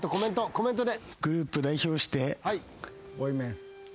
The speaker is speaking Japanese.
コメントで！